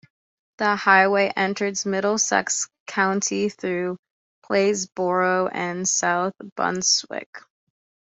The highway enters Middlesex County through Plainsboro and South Brunswick.